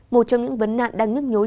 một trong những vấn nạn đang nhức nhối